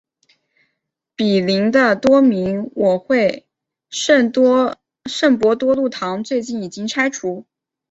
毗邻的多明我会圣伯多禄堂最近已经拆除。